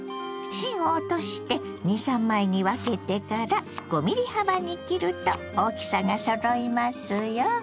芯を落として２３枚に分けてから５ｍｍ幅に切ると大きさがそろいますよ。